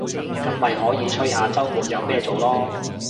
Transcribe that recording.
噉咪可以吹下週末有咩做囉